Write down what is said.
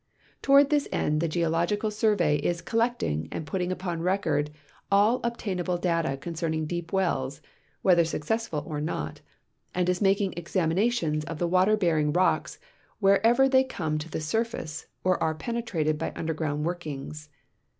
ToAvard this end the Geological Survey is collecting and i)utting ui>on record all obtainable data concerning deep Avells, Avhether successful or not, and is making examinations of the Avater bearing rocks Avherever they come to the surface or are penetrated by underground Avorkings.